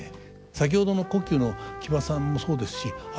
先ほどの胡弓の木場さんもそうですしそうですね。